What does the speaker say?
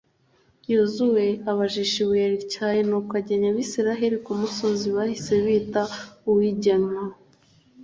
yozuwe abajisha ibuye rityaye, nuko agenya abayisraheli ku musozi bahise bita «uw’igenywa.